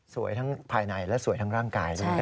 สวยทั้งภายในและสวยทั้งร่างกาย